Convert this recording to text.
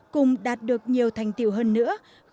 cùng đạt được nhiều thành tiệu hơn nước